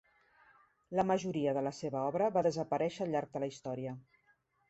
La majoria de la seva obra va desaparèixer al llarg de la història.